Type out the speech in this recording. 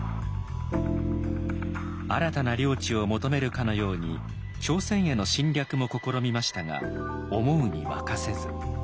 新たな領地を求めるかのように朝鮮への侵略も試みましたが思うに任せず。